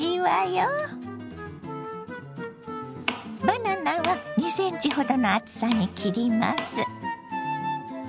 バナナは２ｃｍほどの厚さに切ります。